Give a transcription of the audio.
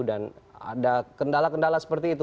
dan ada kendala kendala seperti itu